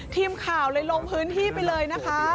ทีมข่าวเลยลงพื้นที่ไปเลยนะคะ